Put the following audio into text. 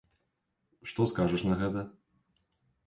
Што скажаш на гэта?